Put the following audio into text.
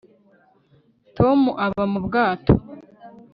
tom aba mu bwato